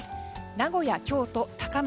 名古屋、京都、高松